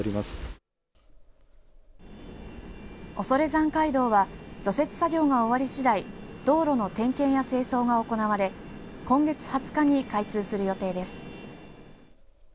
恐山街道は除雪作業が終わりしだい道路の点検や清掃が行われ今月２０日に開通する予定です。